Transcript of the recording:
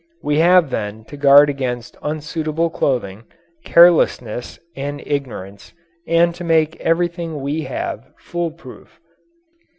We have then to guard against unsuitable clothing, carelessness, and ignorance, and to make everything we have fool proof.